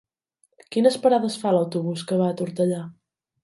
Quines parades fa l'autobús que va a Tortellà?